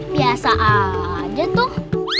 biasa aja tuh